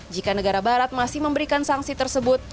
jika negara barat masih memberikan sanksi tersebut